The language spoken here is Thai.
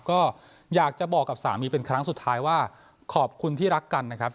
ก็อยากจะบอกกับสามีเป็นครั้งสุดท้ายว่าขอบคุณที่รักกันนะครับ